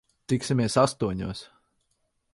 Tiksimies astoņos.